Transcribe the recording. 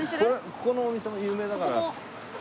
ここのお店も有名だから。